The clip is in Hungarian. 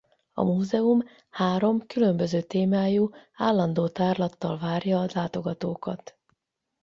A múzeum három különböző témájú állandó tárlattal várja a látogatókat.